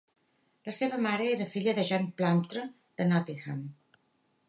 La seva mare era filla de John Plumptre de Nottingham.